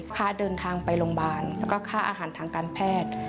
ค่าเดินทางไปโรงพยาบาลแล้วก็ค่าอาหารทางการแพทย์